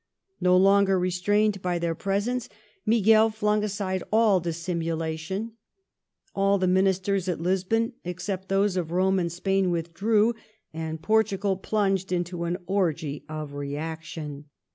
No longer restrained by their presence, Miguel flung aside all dis simulation ; all the Ministers at Lisbon, except those of Rome and Spain, withdi ew, and Portugal plunged into an orgy of reaction.